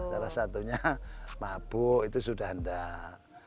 salah satunya mabuk itu sudah enggak